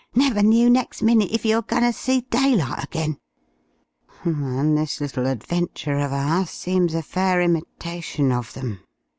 Never knew next minute if yer were goin' ter see daylight again." "And this little adventure of ours seems a fair imitation of them!"